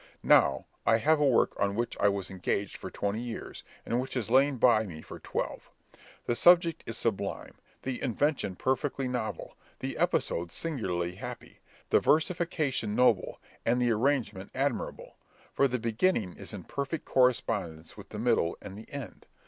Now, I have a work on which I was engaged for twenty years, and which has lain by me for twelve. The subject is sublime, the invention perfectly novel, the episodes singularly happy, the versification noble, and the arrangement admirable, for the beginning is in perfect correspondence with the middle and the end.